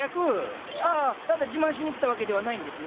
ああただ自慢しにきたわけではないんですね。